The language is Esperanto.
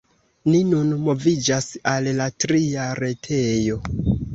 Ni nun moviĝas al la tria retejo.